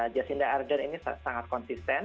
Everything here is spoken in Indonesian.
jacinda ardern ini sangat konsisten